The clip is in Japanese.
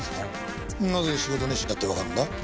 なぜ仕事熱心だってわかるんだ？